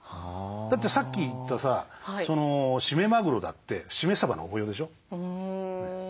だってさっき言ったしめマグロだってしめサバの応用でしょう。